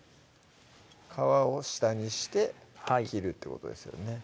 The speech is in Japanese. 皮を下にして切るってことですよね